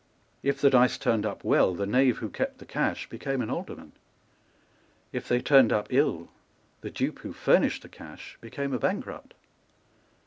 If the dice turned up well, the knave who kept the cash became an alderman; if they turned up ill, the dupe who furnished the cash became a bankrupt.